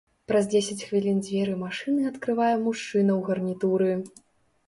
Праз дзесяць хвілін дзверы машыны адкрывае мужчына ў гарнітуры.